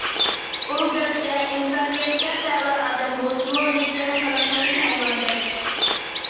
ئۇ گەرچە ئىنسانىيەتكە تەۋە ئادەم بولسىمۇ، لېكىن قىلىقلىرى ھايۋاندەك.